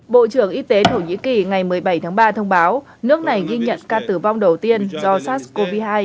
bộ trưởng y tế thổ nhĩ kỳ ngày một mươi bảy tháng ba thông báo nước này ghi nhận ca tử vong đầu tiên do sars cov hai